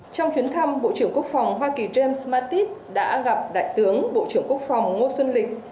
trong chuyến thăm bộ trưởng quốc phòng hoa kỳ james mattis đã gặp đại tướng bộ trưởng quốc phòng ngô xuân lịch